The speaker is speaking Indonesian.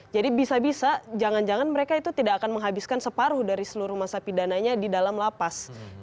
jadi bisa bisa jangan jangan mereka itu tidak akan menghabiskan separuh dari seluruh masa pidananya di dalam lapas